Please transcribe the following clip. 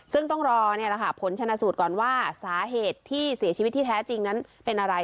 ซึ่งต้องรอผลชนะสูตรก่อนว่าสาเหตุที่เสียชีวิตที่แท้จริงนั้นเป็นอะไร